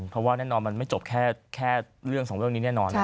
เพราะว่าแน่นอนมันไม่จบแค่เรื่องสองเรื่องนี้แน่นอน